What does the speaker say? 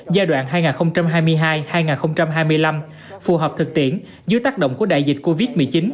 giai đoạn hai nghìn hai mươi hai hai nghìn hai mươi năm phù hợp thực tiễn dưới tác động của đại dịch covid một mươi chín